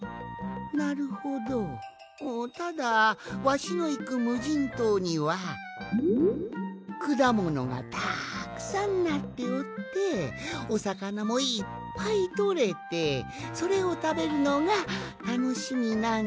なるほどただわしのいくむじんとうにはくだものがたくさんなっておっておさかなもいっぱいとれてそれをたべるのがたのしみなんじゃが。